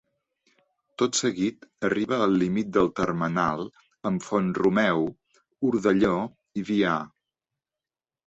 Tot seguit arriba al límit del termenal amb Font-romeu, Odelló i Vià.